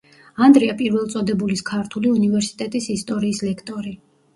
ანდრია პირველწოდებულის ქართული უნივერსიტეტის ისტორიის ლექტორი.